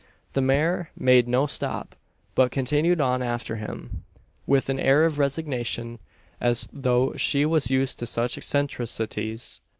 The mare made no stop, but continued on after him with an air of resignation, as though she was used to such eccentricities.